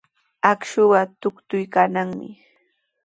Akshuqa tuktuykannami.